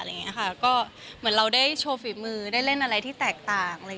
ก็เหมือนเราได้โชว์ฝีมือได้เล่นอะไรที่แตกต่าง